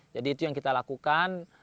jadi itu yang kita lakukan